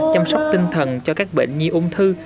chăm sóc tinh thần cho các bệnh nhi ung thư